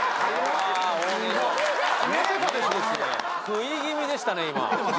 食い気味でしたね今。